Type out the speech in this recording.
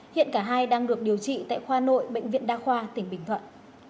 hiện cả hai đang được điều trị tại khoa nội bệnh viện đa khoa tỉnh bình thuận